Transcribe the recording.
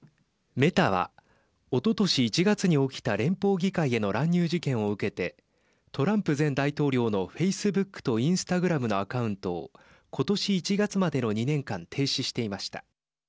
メタは、おととし１月に起きた連邦議会への乱入事件を受けてトランプ前大統領のフェイスブックとインスタグラムのアカウントを今年１月までの２年間停止していました。